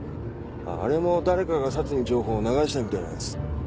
あれも誰かがサツに情報を流したみたいなんです。